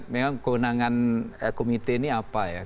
memang kewenangan komite ini apa ya